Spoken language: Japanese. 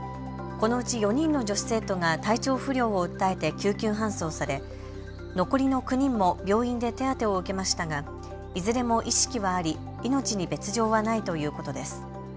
このうち４人の女子生徒が体調不良を訴えて救急搬送され残りの９人も病院で手当てを受けましたがいずれも意識はあり命に別状はないということです。